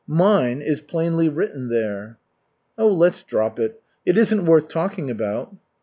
'Mine,' is plainly written there." "Oh, let's drop it. It isn't worth talking about."